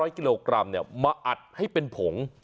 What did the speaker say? ๑๕๐๐กิโลกรัมเนี่ยมาอัดให้เป็นผง